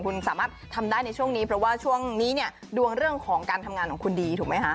คุณสามารถทำได้ในช่วงนี้เพราะว่าช่วงนี้เนี่ยดวงเรื่องของการทำงานของคุณดีถูกไหมคะ